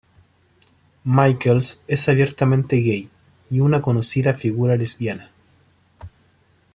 Michaels es abiertamente gay y una conocida figura lesbiana.